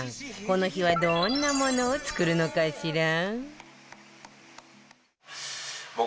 この日はどんなものを作るのかしら。